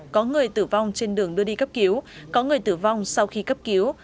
có người tử vong trên đường đưa đi cấp cứu có người tử vong sau khi cấp cứu